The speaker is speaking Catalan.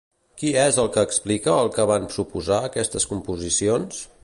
Qui és el que explica el que van suposar aquestes composicions?